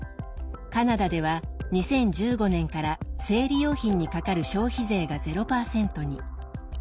カナダでは２０１５年から生理用品にかかる消費税が０％に。